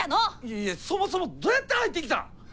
いやいやそもそもどうやって入ってきたん！？